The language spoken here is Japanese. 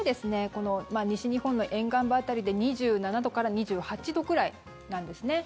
この西日本の沿岸部辺りで２７度から２８度くらいなんですね。